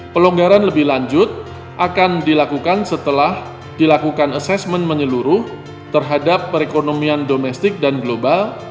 pelonggaran lebih lanjut akan dilakukan setelah dilakukan assessment menyeluruh terhadap perekonomian domestik dan global